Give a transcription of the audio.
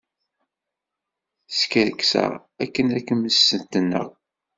Skerkseɣ akken ad k-mmestneɣ.